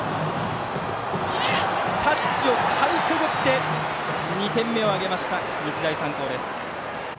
タッチをかいくぐって２点目を挙げました、日大三高。